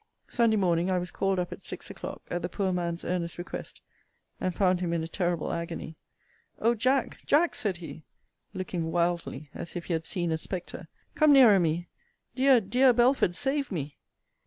Sunday morning, I was called up at six o'clock, at the poor man's earnest request, and found him in a terrible agony. O Jack! Jack! said he, looking wildly, as if he had seen a spectre Come nearer me! Dear, dear Belford, save me!